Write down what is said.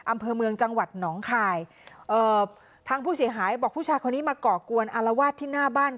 อำเภอเมืองจังหวัดหนองคายเอ่อทางผู้เสียหายบอกผู้ชายคนนี้มาก่อกวนอารวาสที่หน้าบ้าน